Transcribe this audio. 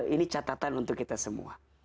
ini catatan untuk kita semua